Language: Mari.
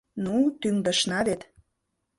Ну, тӱҥдышна вет...